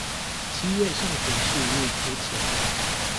七月上旬是日出前